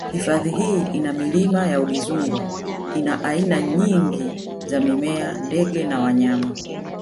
Hifadhi hii ya Milima ya Udzungwa ina hazina nyingi za mimea ndege na wanyama